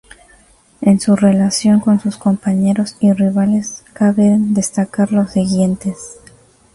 En su relación con sus compañeros y rivales, caben destacar los siguientes.